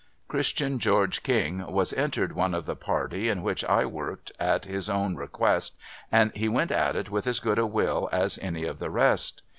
Christian Ceorge King was entered one of the party in which I worked, at his own request, and he went at it with as good a will as any of the rest.